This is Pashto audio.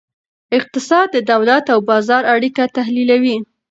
اقتصاد د دولت او بازار اړیکه تحلیلوي.